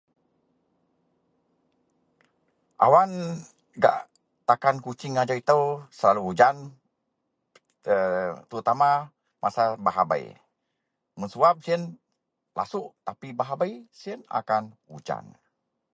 Awan gak takan Kuching ajau itou selalu ujan, err.. terutama masa bah abei. Mun suwab siyen lasuk tapi bah abei siyen akan ujan.